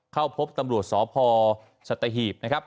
เข้าพบตำรวจสพสัตหีพ